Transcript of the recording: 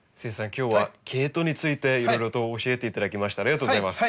今日はケイトウについていろいろと教えていただきましてありがとうございます。